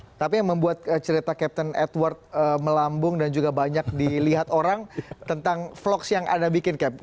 jadi kita lihat dulu buat cerita captain edward melambung dan juga banyak dilihat orang tentang vlogs yang ada bikin captain